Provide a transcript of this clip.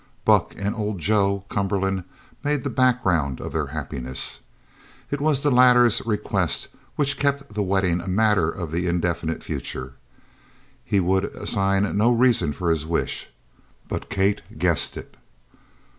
Buck and old Joe Cumberland made the background of their happiness. It was the latter's request which kept the wedding a matter of the indefinite future. He would assign no reason for his wish, but Kate guessed it.